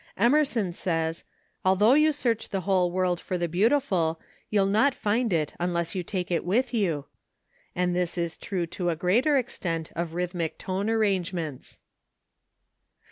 Emerson says, "Although you search the whole world for the beautiful you'll not find it unless you take it with you," and this is true to a greater extent of rhythmic tone arrangements.